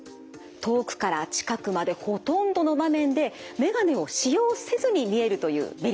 遠くから近くまでほとんどの場面で眼鏡を使用せずに見えるというメリットがあります。